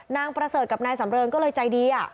นางประเสริฐกับนายสำเริงก็เลยใจดี